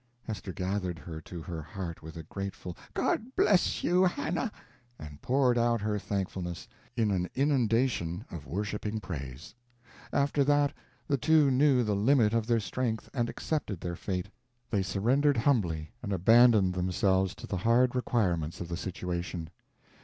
Hester gathered her to her heart, with a grateful "God bless you, Hannah!" and poured out her thankfulness in an inundation of worshiping praises. After that, the two knew the limit of their strength, and accepted their fate. They surrendered humbly, and abandoned themselves to the hard requirements of the situation.